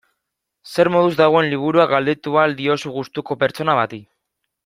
Zer moduz dagoen liburua galdetu ahal diozu gustuko pertsona bati.